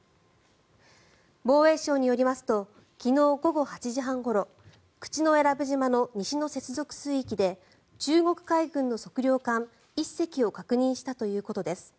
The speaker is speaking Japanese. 防衛省によりますと昨日午後８時半ごろ口永良部島の西の接続水域で中国海軍の測量艦１隻を確認したということです。